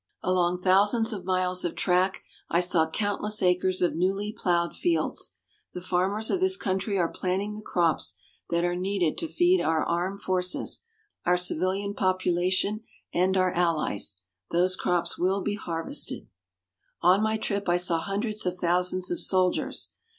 Along thousands of miles of track I saw countless acres of newly ploughed fields. The farmers of this country are planting the crops that are needed to feed our armed forces, our civilian population and our Allies. Those crops will be harvested. On my trip, I saw hundreds of thousands of soldiers.